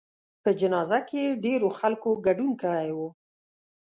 په جنازه کې یې ډېرو خلکو ګډون کړی و.